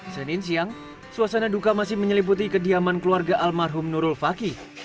senin siang suasana duka masih menyeliputi kediaman keluarga almarhum nurul fakih